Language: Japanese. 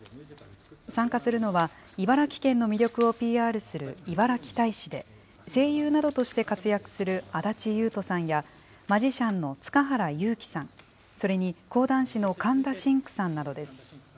参加するのは、茨城県の魅力をＰＲするいばらき大使で、声優などとして活躍する安達勇人さんや、マジシャンの塚原ゆうきさん、それに講談師の神田真紅さんなどです。